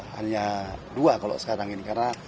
hanya dua kalau sekarang ini karena